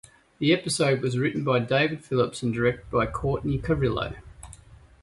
The episode was written by David Phillips and directed by Cortney Carrillo.